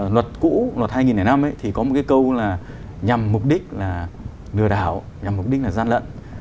luật cũ luật hai nghìn năm thì có một cái câu là nhằm mục đích là lừa đảo nhằm mục đích là gian lận